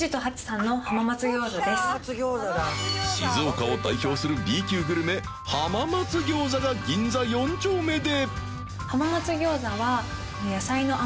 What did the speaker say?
静岡を代表するＢ級グルメ浜松餃子が銀座４丁目で！